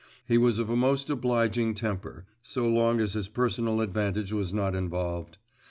He was of a most obliging temper, so long as his personal advantage was not involved.